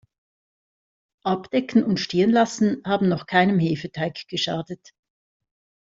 Abdecken und stehen lassen haben noch keinem Hefeteig geschadet.